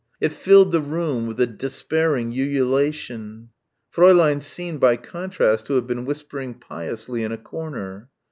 It filled the room with a despairing ululation. Fräulein seemed by contrast to have been whispering piously in a corner.